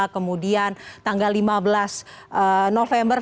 kemudian tanggal lima belas november